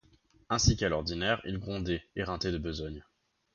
Ainsi qu’à l’ordinaire, il grondait, éreinté de besogne.